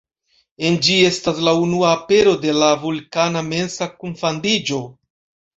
En ĝi estas la unua apero de la Vulkana mensa kunfandiĝo.